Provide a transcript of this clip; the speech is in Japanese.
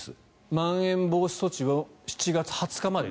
まん延防止措置は７月２０日までと。